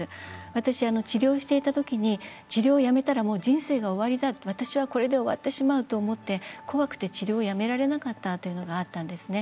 私治療をしていたときに治療をやめたらもう人生が終わる私はこれで終わってしまうと思って怖くて治療をやめられなかったというのがあったんですね。